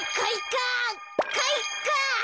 かいか！